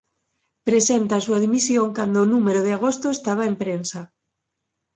Presenta a súa dimisión cando o número de agosto estaba en prensa.